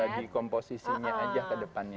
bagi komposisinya aja ke depannya